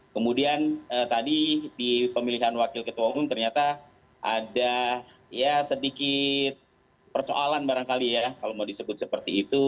kemudian tadi di pemilihan wakil ketua umum ternyata ada ya sedikit persoalan barangkali ya kalau mau disebut seperti itu